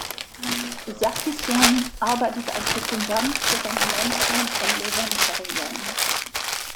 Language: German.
Sarkissjan arbeitet als Sekundant für seinen Landsmann Lewon Aronjan.